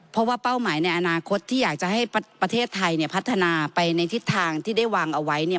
เพราะว่าเป้าหมายในอนาคตที่อยากจะให้ประเทศไทยเนี่ยพัฒนาไปในทิศทางที่ได้วางเอาไว้เนี่ย